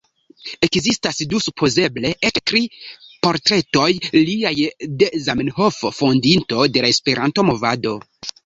Ekzistas du, supozeble eĉ tri portretoj liaj de Zamenhof fondinto de la Esperanto-movado.